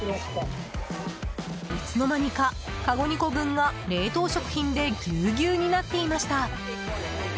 いつの間にか、かご２個分が冷凍食品でぎゅうぎゅうになっていました。